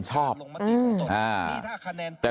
ใช่เหรอ